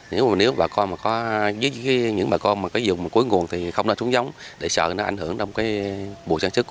nếu bà con có dùng một cuối nguồn thì không nên trúng giống để sợ nó ảnh hưởng bùi sản xuất